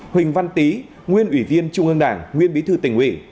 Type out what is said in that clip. huỳnh văn tý nguyên ủy viên trung ương đảng nguyên bí thư tỉnh ủy